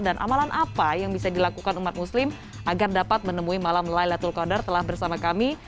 dan amalan apa yang bisa dilakukan umat muslim agar dapat menemui malam laylatul qadar telah bersama kami